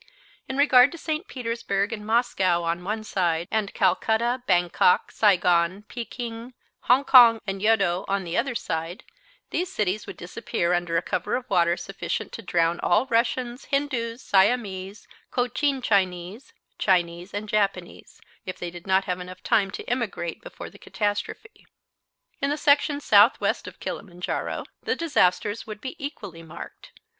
In regard to St. Petersburg and Moscow on one side, and Calcutta, Bangkok, Saigon, Pekin, Hong Kong and Yeddo on the other side, these cities would disappear under a cover of water sufficient to drown all Russians, Hindoos, Siamese, Cochin Chinese, Chinese and Japanese, if they did not have time to emigrate before the catastrophe. In the section southeast of Kilimanjaro the disasters would be equally marked.